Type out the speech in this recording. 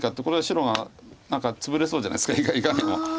これは白が何かツブれそうじゃないですかいかにも。